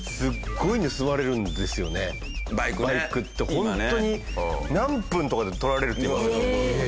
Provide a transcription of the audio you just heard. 本当に何分とかで盗られるっていいますよね。